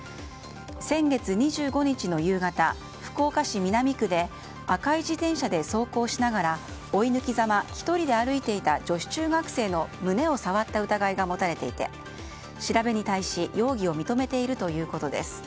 先月２５日の夕方、福岡市南区で赤い自転車で走行しながら追い抜きざま１人で歩いていた女子中学生の胸を触った疑いが持たれていて調べに対し容疑を認めているということです。